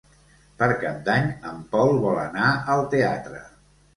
Per Cap d'Any en Pol vol anar al teatre.